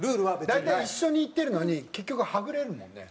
大体一緒に行ってるのに結局はぐれるもんね。